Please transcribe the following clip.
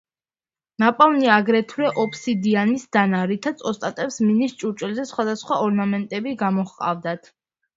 ნაპოვნია აგრეთვე ობსიდიანის დანა, რითაც ოსტატებს მინის ჭურჭელზე სხვადასხვა ორნამენტი გამოჰყავდათ.